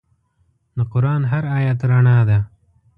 د قرآن هر آیت رڼا ده.